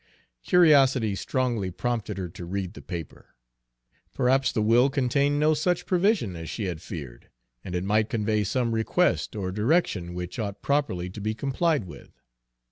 Curiosity strongly prompted her to read the paper. Perhaps the will contained no such provision as she had feared, and it might convey some request or direction which ought properly to be complied with.